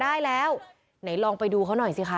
ได้แล้วไหนลองไปดูเขาหน่อยสิคะ